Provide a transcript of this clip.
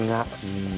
うん。